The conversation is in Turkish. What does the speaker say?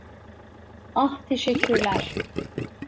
Ah, teşekkürler.